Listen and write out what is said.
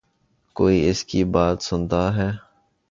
کوئی اس کی بات سنتا ہے۔